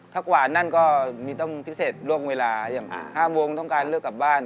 ถ้ากว่านั่นก็มีต้องพิเศษล่วงเวลาอย่าง๕โมงต้องการเลือกกลับบ้าน